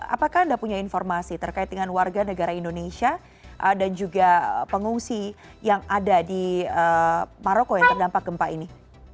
apakah anda punya informasi terkait dengan warga negara indonesia dan juga pengungsi yang ada di maroko yang terdampak gempa ini